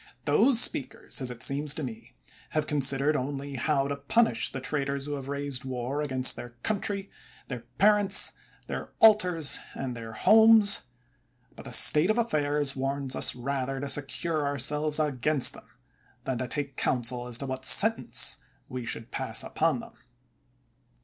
Those speakers, as it seems to me, have consid ered only how to punish the traitors who have raised war against their country, their parents, their altars, and their homes ; but the state of af fairs warns us rather to secure ourselves against them, than to take counsel as to what sentence we should pass upon them.